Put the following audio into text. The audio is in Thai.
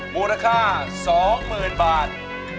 มูลค่า๒๐๐๐๐บาท